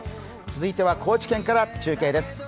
続いては高知県から中継です。